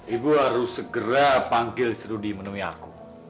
ibu harus segera panggil si rudi menemui aku